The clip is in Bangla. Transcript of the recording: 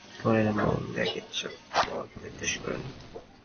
এভাবে আল্লাহ যাকে ইচ্ছা পথভ্রষ্ট করেন এবং যাকে ইচ্ছা পথ-নির্দেশ করেন।